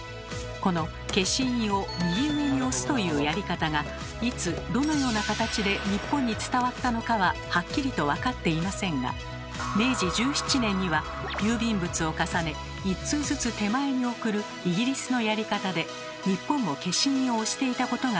この消印を右上に押すというやり方がいつどのような形で日本に伝わったのかははっきりと分かっていませんが明治１７年には郵便物を重ね一通ずつ手前に送るイギリスのやり方で日本も消印を押していたことが見てとれます。